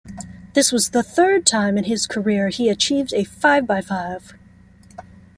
This was the third time in his career he achieved a five-by-five.